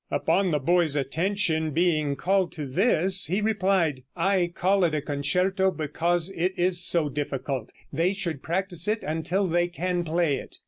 Upon the boy's attention being called to this, he replied, "I call it a concerto because it is so difficult; they should practice it until they can play it."